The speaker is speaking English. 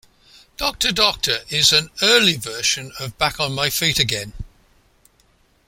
"Doctor, Doctor" is an early version of "Back on My Feet Again".